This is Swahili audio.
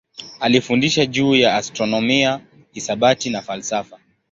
Alifundisha juu ya astronomia, hisabati na falsafa.